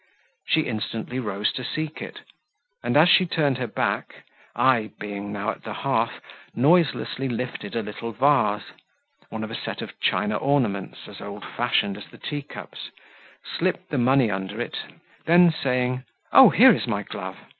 She instantly rose to seek it; as she turned her back, I being now at the hearth noiselessly lifted a little vase, one of a set of china ornaments, as old fashioned as the tea cups slipped the money under it, then saying "Oh here is my glove!